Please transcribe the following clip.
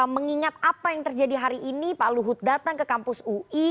mengingat apa yang terjadi hari ini pak luhut datang ke kampus ui